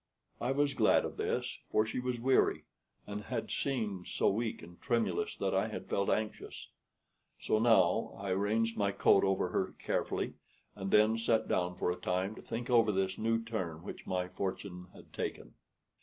I was glad of this, for she was weary, and had seemed so weak and tremulous that I had felt anxious; so now I arranged my coat over her carefully, and then sat down for a time to think over this new turn which my fortune had taken.